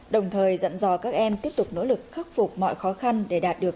đồng thời dặn dò các em tiếp tục nỗ lực khắc phục mọi khó khăn để đạt được